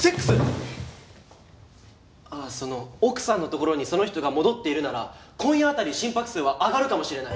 あっその奥さんのところにその人が戻っているなら今夜辺り心拍数は上がるかもしれないですよ。